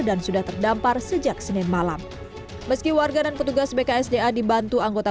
dan sudah terdampar sejak senin malam meski warganan petugas bksda dibantu anggota